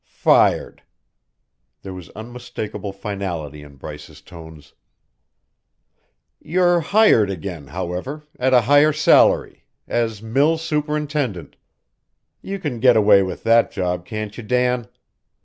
"Fired!" There was unmistakable finality in Bryce's tones. "You're hired again, however, at a higher salary, as mill superintendent. You can get away with that job, can't you, Dan?